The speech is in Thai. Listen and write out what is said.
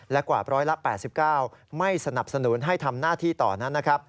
และกว่าร้อยละ๘๙ไม่สนับสนุนให้ทำหน้าที่ต่อนั้นนะครับ